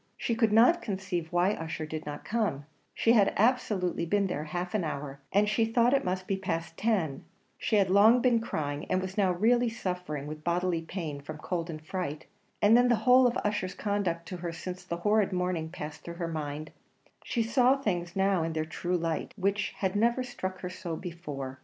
She could not conceive why Ussher did not come she had absolutely been there half an hour, and she thought it must be past ten she had long been crying, and was now really suffering with bodily pain from cold and fright; and then the whole of Ussher's conduct to her since that horrid morning passed through her mind she saw things now in their true light, which had never struck her so before.